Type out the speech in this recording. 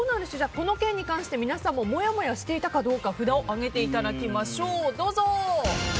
この件に関して皆さんももやもやしていたか札を上げていただきましょう。